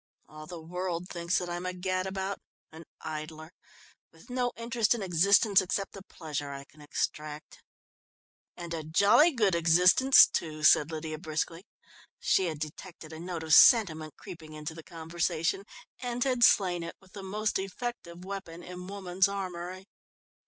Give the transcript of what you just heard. "All the world thinks that I'm a gadabout, an idler, with no interest in existence, except the pleasure I can extract." "And a jolly good existence, too," said Lydia briskly. She had detected a note of sentiment creeping into the conversation, and had slain it with the most effective weapon in woman's armoury.